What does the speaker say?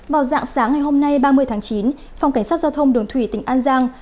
vào dạng sáng ngày hôm nay ba mươi tháng chín phòng cảnh sát giao thông đường thủy tỉnh an giang